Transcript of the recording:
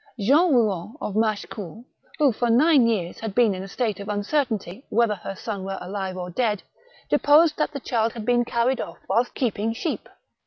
» Jeanne Kouen, of Machecoul, who for nine years 200 THE BOOK OF WERE WOLVES. had been in a state of uncertainty whether her son were alive or dead, deposed that the child had been carried off whilst keeping sheep.